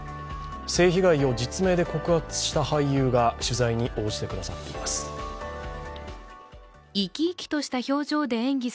性被害を実名で告発した俳優が取材に応じてくださっています。